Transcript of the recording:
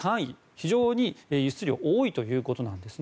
非常に輸出量が多いということです。